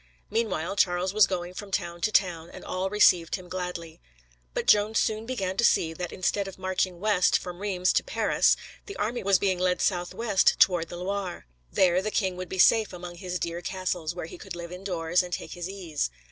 Meanwhile, Charles was going from town to town, and all received him gladly. But Joan soon began to see that instead of marching west from Reims to Paris, the army was being led southwest toward the Loire. There the king would be safe among his dear castles, where he could live indoors, and take his ease.